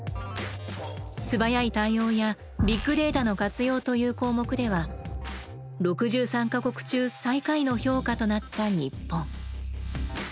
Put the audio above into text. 「素早い対応」や「ビッグデータの活用」という項目では６３か国中最下位の評価となった日本。